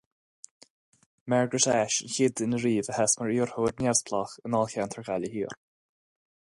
Margaret Ashe an chéad duine riamh a sheas mar iarrthóir neamhspleách i ndáilcheantar Ghaillimh Thiar.